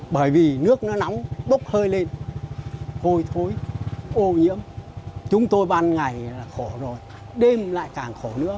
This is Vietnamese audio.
bởi vì nước nó nóng bốc hơi lên hôi thối ô nhiễm chúng tôi ban ngày là khổ rồi đêm lại càng khổ nữa